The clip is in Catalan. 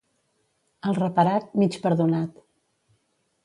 El reparat, mig perdonat.